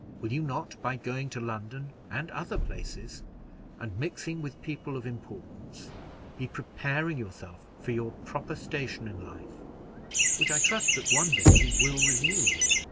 Will you not, by going to London and other places, and mixing with people of importance, be preparing yourself for your proper station in life, which I trust that one day you will resume?